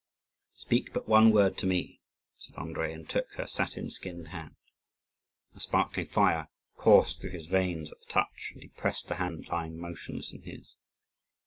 "Speak but one word to me," said Andrii, and he took her satin skinned hand. A sparkling fire coursed through his veins at the touch, and he pressed the hand lying motionless in his.